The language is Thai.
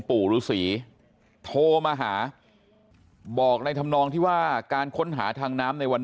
ปู่ฤษีโทรมาหาบอกในธรรมนองที่ว่าการค้นหาทางน้ำในวัน